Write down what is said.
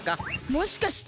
もしかして。